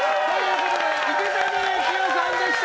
池谷幸雄さんでした。